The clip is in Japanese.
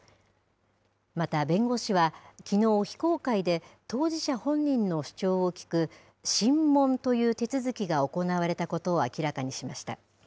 また弁護士は、きのう、非公開で当事者本人の主張を聞く、審問という手続きが行われたことを明らかにしました。